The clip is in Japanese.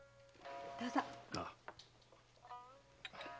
どうぞ。